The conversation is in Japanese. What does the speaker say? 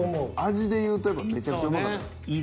味で言うとやっぱめちゃくちゃうまかったです。